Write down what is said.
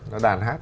nó đàn hát